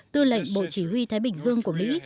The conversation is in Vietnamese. tư lệnh bộ chỉ huy thái bình dương của mỹ